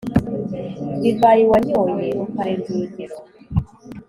Divayi wanyoye ukarenza urugero,